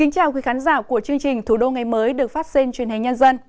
chào các khán giả của chương trình thủ đô ngày mới được phát sinh truyền hình nhân dân